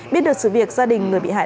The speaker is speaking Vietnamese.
biết được sự việc gia đình người bị hại